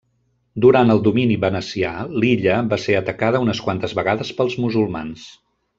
Durant el domini venecià l'illa va ser atacada unes quantes vegades pels musulmans.